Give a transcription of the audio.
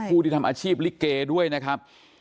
ผู้ที่ทำอาชีพลิเกด้วยนะครับ